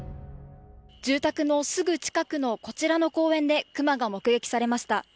住宅のすぐ近くのこちらの公園でクマが目撃されました。